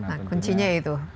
nah kuncinya itu